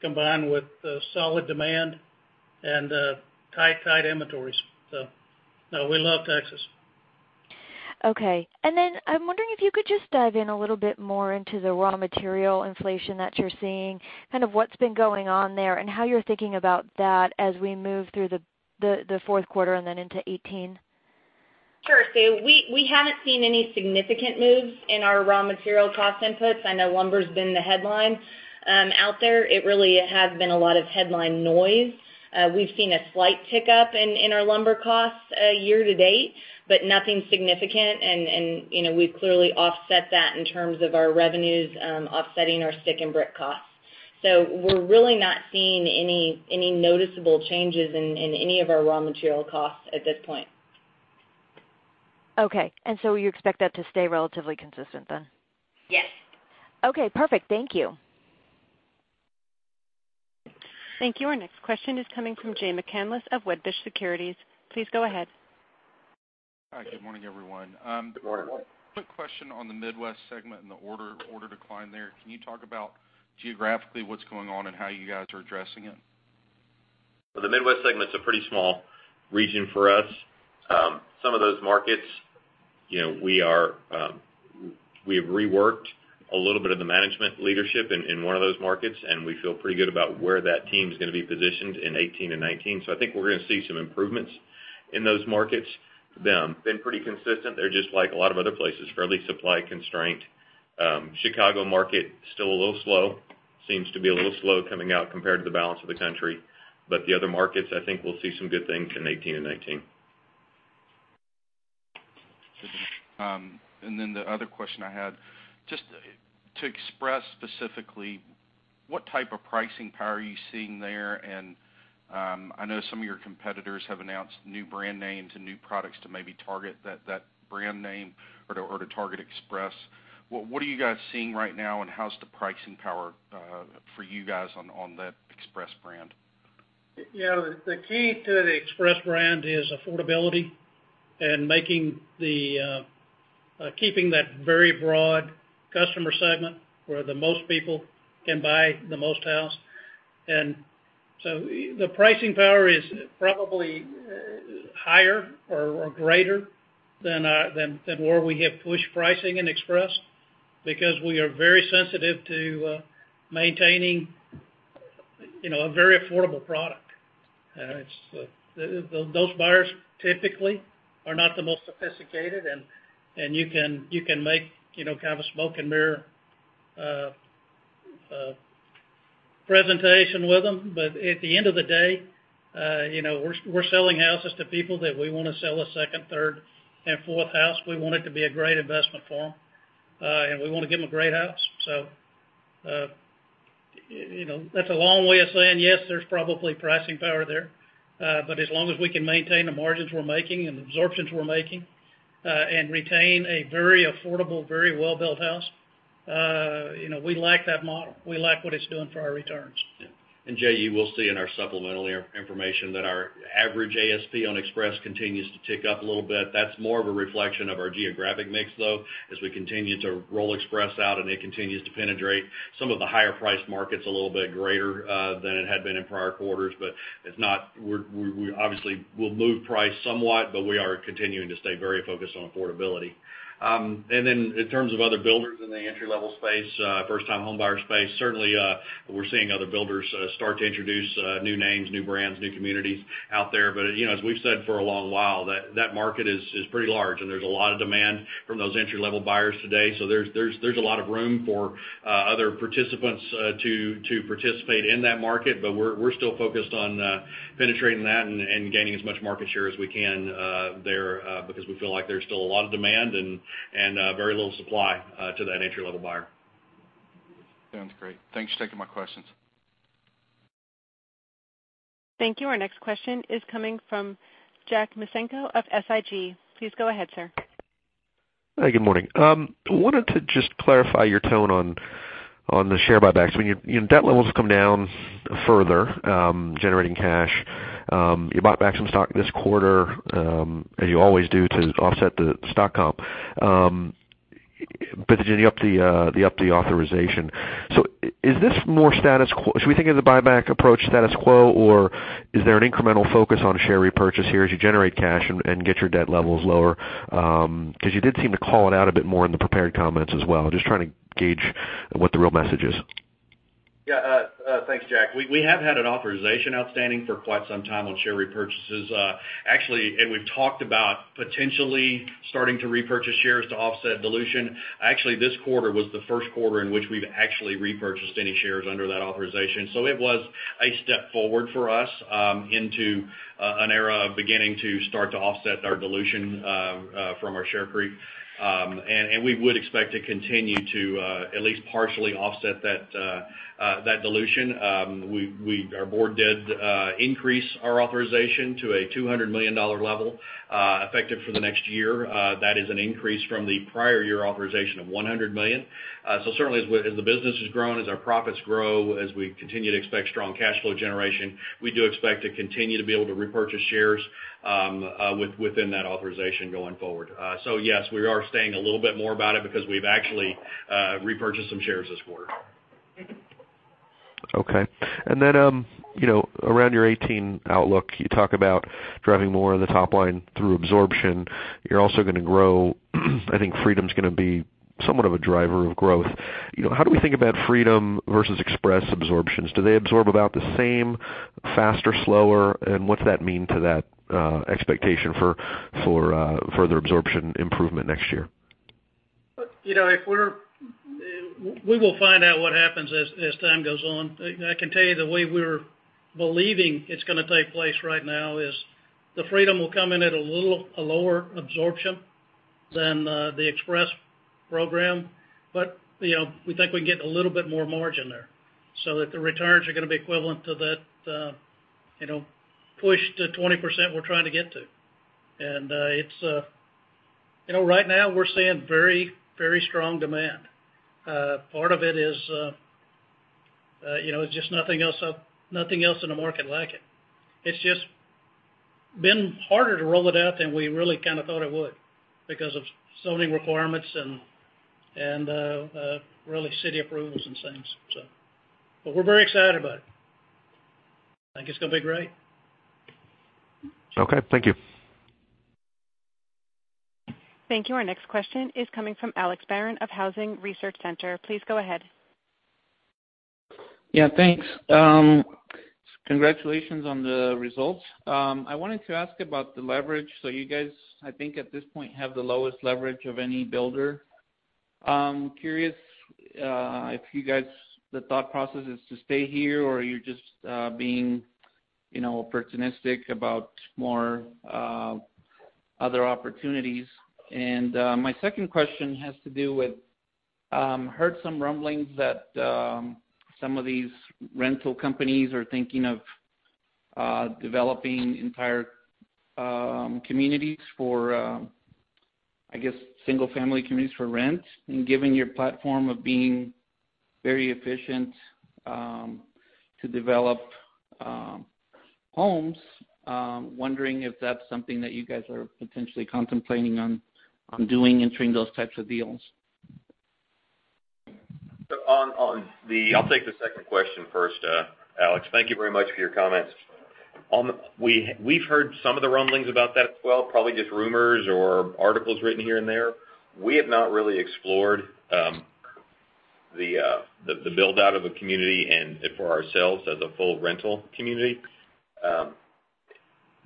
combined with solid demand and tight inventories. We love Texas. Okay. I'm wondering if you could just dive in a little bit more into the raw material inflation that you're seeing, kind of what's been going on there, and how you're thinking about that as we move through the fourth quarter and then into 2018. Sure. We haven't seen any significant moves in our raw material cost inputs. I know lumber's been the headline out there. It really has been a lot of headline noise. We've seen a slight tick-up in our lumber costs year to date, but nothing significant. We've clearly offset that in terms of our revenues offsetting our stick and brick costs. We're really not seeing any noticeable changes in any of our raw material costs at this point. Okay. You expect that to stay relatively consistent then? Yes. Okay, perfect. Thank you. Thank you. Our next question is coming from Jay McCanless of Wedbush Securities. Please go ahead. Hi. Good morning, everyone. Good morning. Quick question on the Midwest segment and the order decline there. Can you talk about geographically what's going on and how you guys are addressing it? Well, the Midwest segment is a pretty small region for us. Some of those markets, we have reworked a little bit of the management leadership in one of those markets, and we feel pretty good about where that team's going to be positioned in 2018 and 2019. I think we're going to see some improvements in those markets. They've been pretty consistent. They're just like a lot of other places, fairly supply-constrained. Chicago market, still a little slow. Seems to be a little slow coming out compared to the balance of the country. The other markets, I think we'll see some good things in 2018 and 2019. The other question I had, just to Express specifically, what type of pricing power are you seeing there? I know some of your competitors have announced new brand names and new products to maybe target that brand name or to target Express. What are you guys seeing right now, and how's the pricing power for you guys on that Express brand? The key to the Express brand is affordability and keeping that very broad customer segment where the most people can buy the most house. The pricing power is probably higher or greater than where we have pushed pricing in Express, because we are very sensitive to maintaining a very affordable product. Those buyers typically are not the most sophisticated, and you can make kind of a smoke and mirror presentation with them. At the end of the day, we're selling houses to people that we want to sell a second, third, and fourth house. We want it to be a great investment for them. We want to give them a great house. That's a long way of saying, yes, there's probably pricing power there. As long as we can maintain the margins we're making and the absorptions we're making, and retain a very affordable, very well-built house, we like that model. We like what it's doing for our returns. Jay, you will see in our supplemental information that our average ASP on Express continues to tick up a little bit. That's more of a reflection of our geographic mix, though, as we continue to roll Express out and it continues to penetrate some of the higher priced markets a little bit greater, than it had been in prior quarters. We obviously will move price somewhat, but we are continuing to stay very focused on affordability. In terms of other builders in the entry-level space, first time home buyer space, certainly, we're seeing other builders start to introduce new names, new brands, new communities out there. As we've said for a long while, that market is pretty large, and there's a lot of demand from those entry-level buyers today. There's a lot of room for other participants to participate in that market. We're still focused on penetrating that and gaining as much market share as we can there, because we feel like there's still a lot of demand and very little supply to that entry-level buyer. Sounds great. Thanks for taking my questions. Thank you. Our next question is coming from Jack Micenko of SIG. Please go ahead, sir. Hi. Good morning. Wanted to just clarify your tone on the share buybacks. Did you up the authorization? Should we think of the buyback approach status quo, or is there an incremental focus on share repurchase here as you generate cash and get your debt levels lower? You did seem to call it out a bit more in the prepared comments as well. I'm just trying to gauge what the real message is. Thanks, Jack. We have had an authorization outstanding for quite some time on share repurchases. Actually, we've talked about potentially starting to repurchase shares to offset dilution. Actually, this quarter was the first quarter in which we've actually repurchased any shares under that authorization. It was a step forward for us into an era of beginning to start to offset our dilution from our share creep. We would expect to continue to at least partially offset that dilution. Our board did increase our authorization to a $200 million level, effective for the next year. That is an increase from the prior year authorization of $100 million. Certainly as the business has grown, as our profits grow, as we continue to expect strong cash flow generation, we do expect to continue to be able to repurchase shares within that authorization going forward. Yes, we are saying a little bit more about it because we've actually repurchased some shares this quarter. Okay. Around your 2018 outlook, you talk about driving more of the top line through absorption. You're also going to grow, I think Freedom's going to be somewhat of a driver of growth. How do we think about Freedom versus Express absorptions? Do they absorb about the same, faster, slower? What's that mean to that expectation for further absorption improvement next year? We will find out what happens as time goes on. I can tell you the way we're believing it's going to take place right now is, the Freedom will come in at a little lower absorption than the Express program, but we think we can get a little bit more margin there, so that the returns are going to be equivalent to that push to 20% we're trying to get to. Right now we're seeing very strong demand. Part of it is, there's just nothing else in the market like it. It's just been harder to roll it out than we really kind of thought it would because of zoning requirements and really city approvals and things. We're very excited about it. I think it's going to be great. Okay. Thank you. Thank you. Our next question is coming from Alex Barrón of Housing Research Center. Please go ahead. Yeah. Thanks. Congratulations on the results. I wanted to ask about the leverage. You guys, I think at this point, have the lowest leverage of any builder. I'm curious if the thought process is to stay here or you're just being opportunistic about more other opportunities. My second question has to do with, heard some rumblings that some of these rental companies are thinking of developing entire communities for I guess, single-family communities for rent, and given your platform of being very efficient to develop homes, I'm wondering if that's something that you guys are potentially contemplating on doing, entering those types of deals. I'll take the second question first, Alex. Thank you very much for your comments. We've heard some of the rumblings about that as well, probably just rumors or articles written here and there. We have not really explored the build-out of a community, and for ourselves as a full rental community.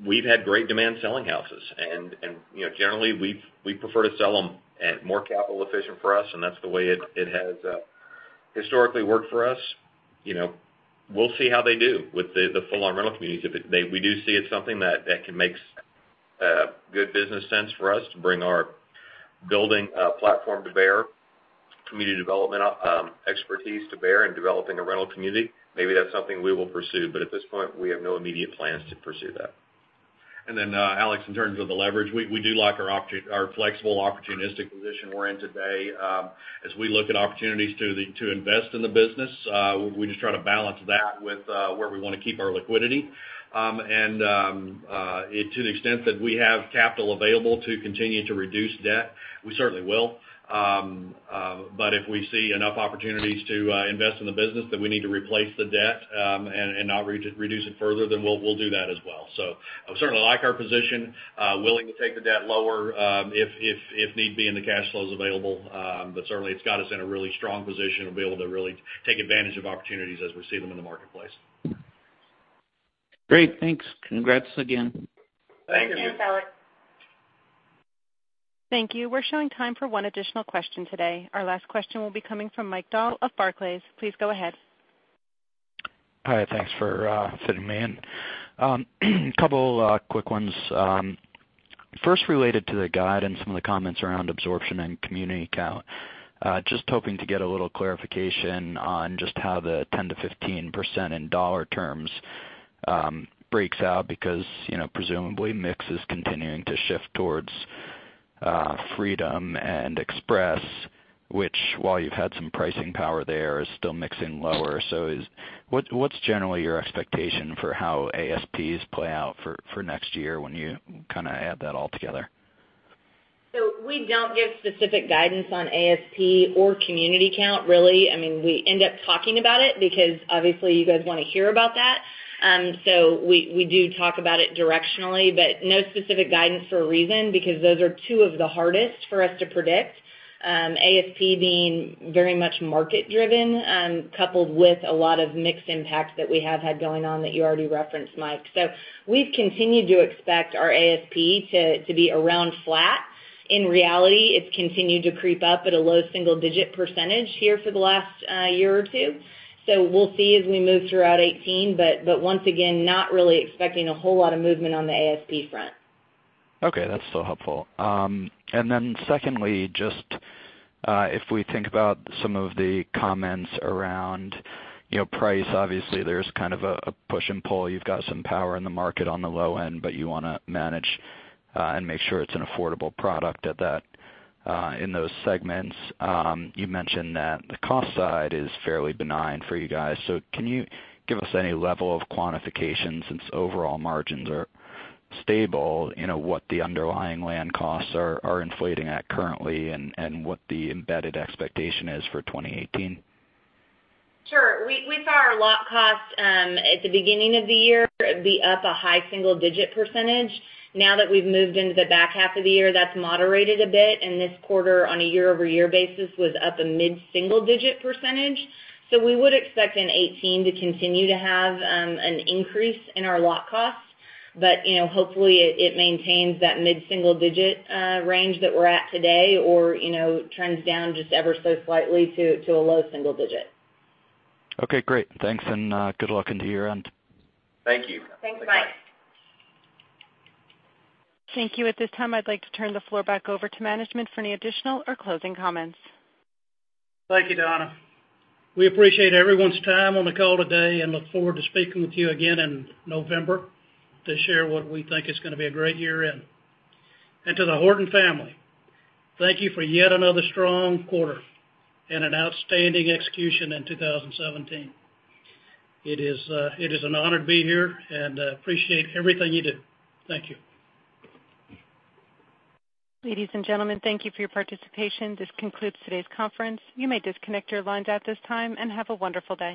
We've had great demand selling houses, and generally, we prefer to sell them. More capital efficient for us, and that's the way it has historically worked for us. We'll see how they do with the full-on rental communities. If we do see it's something that can make good business sense for us to bring our building platform to bear, community development expertise to bear in developing a rental community, maybe that's something we will pursue. At this point, we have no immediate plans to pursue that. Then, Alex, in terms of the leverage, we do like our flexible, opportunistic position we're in today. As we look at opportunities to invest in the business, we just try to balance that with where we want to keep our liquidity. To the extent that we have capital available to continue to reduce debt, we certainly will. If we see enough opportunities to invest in the business that we need to replace the debt and not reduce it further, we'll do that as well. I certainly like our position, willing to take the debt lower if need be, and the cash flow's available. Certainly, it's got us in a really strong position to be able to really take advantage of opportunities as we see them in the marketplace. Great. Thanks. Congrats again. Thank you. Thanks. Thanks, Alex. Thank you. We're showing time for one additional question today. Our last question will be coming from Mike Dahl of Barclays. Please go ahead. Hi, thanks for fitting me in. A couple quick ones. First, related to the guidance and some of the comments around absorption and community count. Just hoping to get a little clarification on just how the 10%-15% in dollar terms breaks out, because presumably, mix is continuing to shift towards Freedom Homes and Express Homes, which, while you've had some pricing power there, is still mixing lower. What's generally your expectation for how ASPs play out for next year when you add that all together? We don't give specific guidance on ASP or community count, really. We end up talking about it because obviously you guys want to hear about that. We do talk about it directionally, but no specific guidance for a reason, because those are two of the hardest for us to predict. ASP being very much market driven, coupled with a lot of mix impacts that we have had going on that you already referenced, Mike. We've continued to expect our ASP to be around flat. In reality, it's continued to creep up at a low single-digit % here for the last year or two. We'll see as we move throughout 2018, but once again, not really expecting a whole lot of movement on the ASP front. Okay, that's still helpful. Secondly, just if we think about some of the comments around price, obviously there's kind of a push and pull. You've got some power in the market on the low end, but you want to manage and make sure it's an affordable product in those segments. You mentioned that the cost side is fairly benign for you guys. Can you give us any level of quantification, since overall margins are stable, what the underlying land costs are inflating at currently and what the embedded expectation is for 2018? Sure. We saw our lot cost at the beginning of the year be up a high single-digit %. Now that we've moved into the back half of the year, that's moderated a bit, and this quarter, on a year-over-year basis, was up a mid-single digit %. We would expect in 2018 to continue to have an increase in our lot costs. Hopefully, it maintains that mid-single-digit range that we're at today, or trends down just ever so slightly to a low single-digit. Okay, great. Thanks. Good luck into your end. Thank you. Thanks, Mike. Thank you. At this time, I'd like to turn the floor back over to management for any additional or closing comments. Thank you, Donna. We appreciate everyone's time on the call today and look forward to speaking with you again in November to share what we think is going to be a great year end. To the Horton family, thank you for yet another strong quarter and an outstanding execution in 2017. It is an honor to be here, appreciate everything you do. Thank you. Ladies and gentlemen, thank you for your participation. This concludes today's conference. You may disconnect your lines at this time, have a wonderful day.